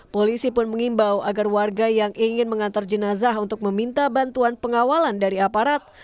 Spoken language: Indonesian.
polisi pun mengimbau agar warga yang ingin mengantar jenazah untuk meminta bantuan pengawalan dari aparat